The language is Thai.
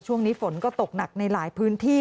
ช่วงนี้ฝนก็ตกหนักในหลายพื้นที่